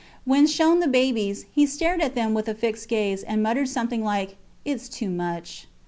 When shown the babies, he stared at them with a fixed gaze, and muttered something like: Its too much.